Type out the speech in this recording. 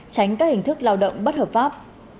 tránh các hình thức lao động bất hợp pháp